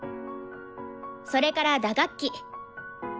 それから打楽器。